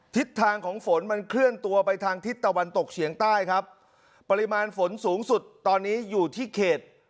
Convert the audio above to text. ทิศทางของฝนมันเคลื่อนตัวไปทางทิศตะวันตกเฉียงใต้ครับปริมาณฝนสูงสุดตอนนี้อยู่ที่เขต